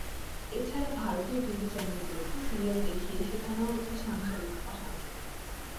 এ ছাড়া ভারতীয় টিভি চ্যানেলগুলোতে সিরিয়াল দেখিয়ে শেখানো হচ্ছে সাংসারিক অশান্তি।